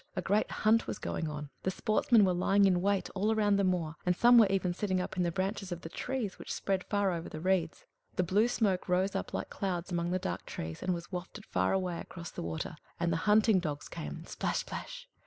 A great hunt was going on. The sportsmen were lying in wait all round the moor, and some were even sitting up in the branches of the trees, which spread far over the reeds. The blue smoke rose up like clouds among the dark trees, and was wafted far away across the water; and the hunting dogs came splash, splash!